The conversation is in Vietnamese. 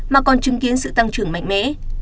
mà còn chứng kiến sự tăng trưởng mạnh mẽ